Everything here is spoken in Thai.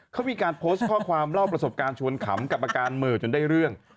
เขามีการโพสต์ข้อความเล่าประสบการณ์ชวนขำกับอาการเหม่อจนได้เรื่อง